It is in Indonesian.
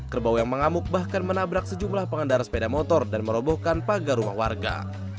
kerbau yang mengamuk bahkan menabrak sejumlah pengendara sepeda motor dan merobohkan pagar rumah warga